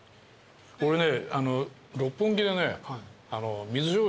俺ね。